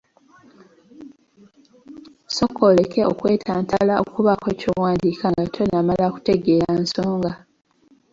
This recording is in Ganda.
Sooka oleke okwetantala okubaako ky'owandiika nga tonnamala kutegeera nsonga.